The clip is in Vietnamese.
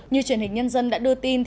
như truyền hình nhân dân đã đưa tin